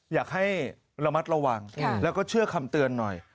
อยากให้ระมัดระวังแล้วก็เชื่อคำเตือนหน่อย